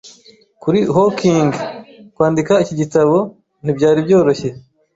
Kuri Hawking, kwandika iki gitabo ntibyari byoroshye.